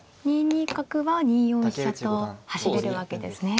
２二角は２四飛車と走れるわけですね。